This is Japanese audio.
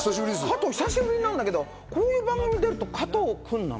加藤、久しぶりだけど、こういう番組だと加藤君なの？